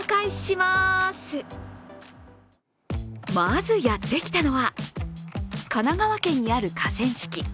まずやってきたのは神奈川県にある河川敷。